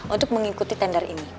untuk mengikuti tender ini